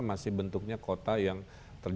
masih bentuknya kota yang terdiri dari